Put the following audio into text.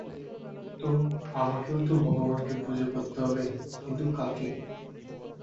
তো, আমাকেও তো কোনো ভগবানকে পূজা করতে হবে, কিন্তু কাকে?